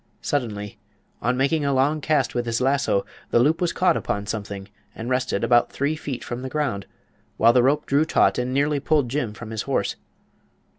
Suddenly, on making a long cast with his lasso, the loop caught upon something and rested about three feet from the ground, while the rope drew taut and nearly pulled Jim from his horse.